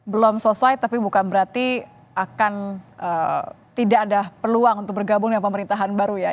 belum selesai tapi bukan berarti akan tidak ada peluang untuk bergabung dengan pemerintahan baru ya